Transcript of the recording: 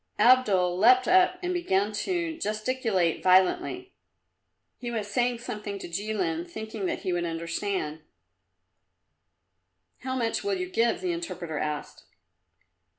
Abdul leapt up and began to gesticulate violently. He was saying something to Jilin, thinking that he would understand. "How much will you give?" the interpreter asked.